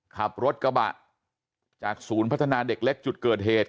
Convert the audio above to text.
ขับรถกระบะจากศูนย์พัฒนาเด็กเล็กจุดเกิดเหตุ